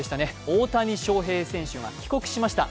大谷翔平選手が帰国しました。